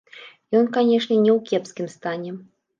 Ён, канешне, не ў кепскім стане.